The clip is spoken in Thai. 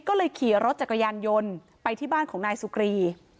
ก็เลยขี่รถจักรยานยนต์ไปที่บ้านของนายสุกรี